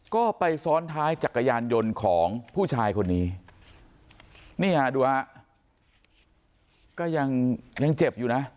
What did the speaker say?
ก็ไปซ้อนท้ายจักรยานยนต์ของผู้ชายคนนี้นี่ฮะดูฮะก็ยังยังเจ็บอยู่นะ